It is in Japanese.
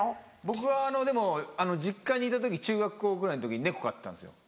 僕はでも実家にいた時中学校ぐらいの時に猫飼ってたんですよ。